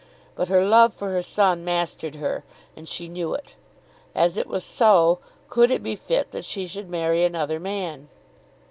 But her love for her son mastered her, and she knew it. As it was so, could it be fit that she should marry another man?